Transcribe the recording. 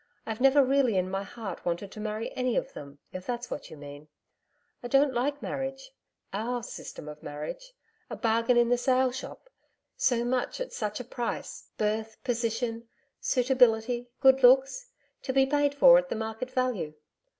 I've never really in my heart wanted to marry any of them, if that's what you mean I don't like marriage OUR system of marriage a bargain in the sale shop. So much at such a price birth, position, suitability, good looks to be paid for at the market value.